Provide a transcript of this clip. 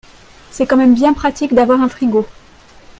C'est quand même bien pratique d'avoir un frigo.